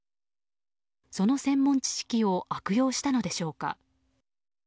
その専門知識を悪用したのでしょうか。